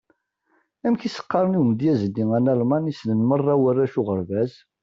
Amek i s-qqaren i umedyaz-nni analman i ssnen merra warrac uɣerbaz?